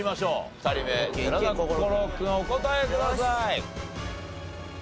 ２人目寺田心君お答えください。